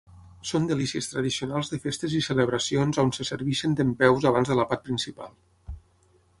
Són delícies tradicionals de festes i celebracions on se serveixen dempeus abans de l'àpat principal.